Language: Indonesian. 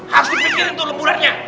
harus dipikirin tuh lembulannya